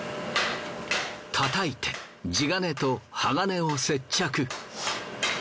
叩いて地金と鋼を接着。